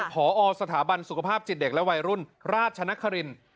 พอสถาบันสุขภาพจิตเด็กและวัยรุ่นราชนคริน